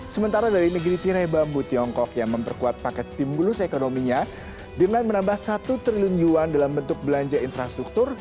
sementara dari negeri tirai bambu tiongkok yang memperkuat paket stimulus ekonominya dengan menambah satu triliun yuan dalam bentuk belanja infrastruktur